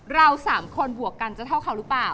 เรา๓คนบวกกันจะเท่าเขาหรือเปล่า